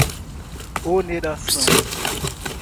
oneração